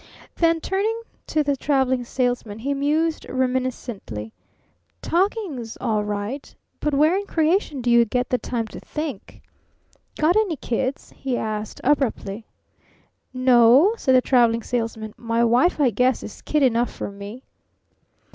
Then, turning to the Traveling Salesman, he mused reminiscently: "Talking's all right. But where in creation do you get the time to think? Got any kids?" he asked abruptly. "N o," said the Traveling Salesman. "My wife, I guess, is kid enough for me."